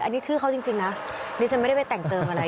อันนี้ชื่อเขาจริงนะดิฉันไม่ได้ไปแต่งเติมอะไร